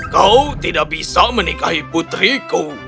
kau tidak bisa menikahi putriku